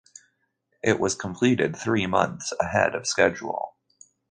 It was completed three months ahead of schedule.